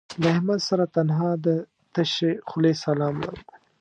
له احمد سره تنها د تشې خولې سلام لرم